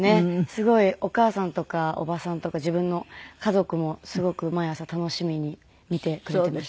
すごいお母さんとか伯母さんとか自分の家族もすごく毎朝楽しみに見てくれていました。